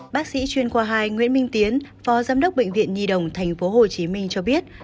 bác sĩ chuyên khoa hai nguyễn minh tiến phó giám đốc bệnh viện nhi đồng tp hcm cho biết